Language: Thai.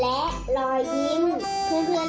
ใส่ห้าถูกกับโจ๊ก